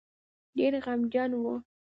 ډېر غمجن وو.